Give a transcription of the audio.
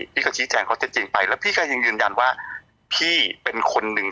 พี่ก็ชี้แจงข้อเท็จจริงไปแล้วพี่ก็ยังยืนยันว่าพี่เป็นคนหนึ่ง